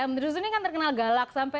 menteri susi ini kan terkenal galak sampai